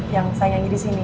yang saya nyanyi di sini